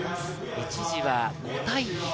一時は５対１。